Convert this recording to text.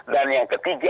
dan yang ketiga adalah